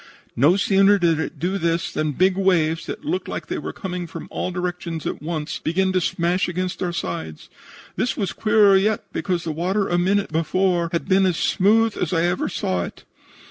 No sooner did it do this than big waves, that looked like they were coming from all directions at once, began to smash against our sides. This was queerer yet, because the water a minute before was as smooth as I ever saw it.